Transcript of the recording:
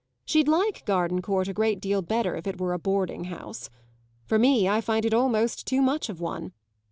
She'd like Gardencourt a great deal better if it were a boarding house. For me, I find it almost too much of one!